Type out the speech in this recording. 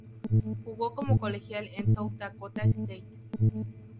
Jugo como colegial en South Dakota State.